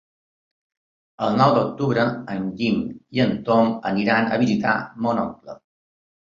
El nou d'octubre en Guim i en Tom aniran a visitar mon oncle.